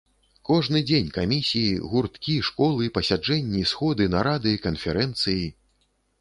Кожны дзень камісіі, гурткі, школы, пасяджэнні, сходы, нарады, канферэнцыі.